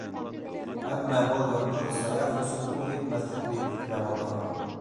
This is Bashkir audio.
Әммә был йондоҙ Саяф өсөн буй етмәҫлек бейеклектә балҡыны.